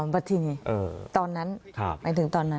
บัตรที่นี่ตอนนั้นหมายถึงตอนนั้น